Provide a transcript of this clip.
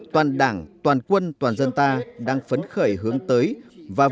toàn đảng toàn quân toàn dân ta đang phấn khởi hướng xã hội chủ nghĩa việt nam